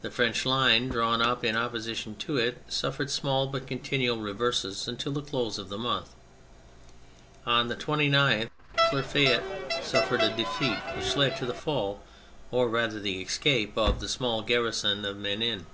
The French line drawn up in opposition to it suffered small but continual reverses until the close of the month. On the 29th Clerfayt suffered a defeat which led to the fall, or rather the escape, of the small garrison of Menin.